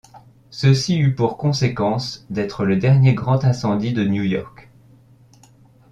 Ceci eut pour conséquence d’être le dernier grand incendie de New York.